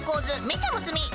めっちゃむつみ］